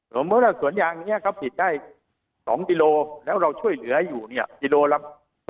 สมมุติว่าสวนอย่างนี้เขาผิดได้๒กิโลแล้วเราช่วยเหลือให้อยู่กิโลละ๒บาท